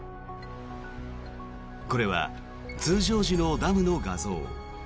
これは通常時のダムの画像。